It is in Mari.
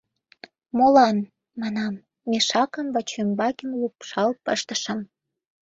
— Молан? — манам, мешакым вачӱмбакем лупшал пыштышым.